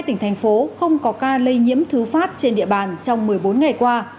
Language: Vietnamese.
một mươi hai tỉnh thành phố không có ca lây nhiễm thứ phát trên địa bàn trong một mươi bốn ngày qua